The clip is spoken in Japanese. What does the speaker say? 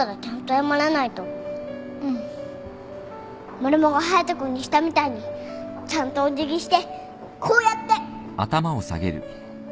マルモが隼人君にしたみたいにちゃんとお辞儀してこうやって。